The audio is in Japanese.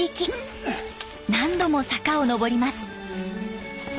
何度も坂を上ります。